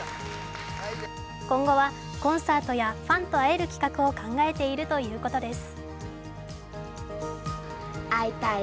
今後は、コンサートやファンと会える企画を考えているということです。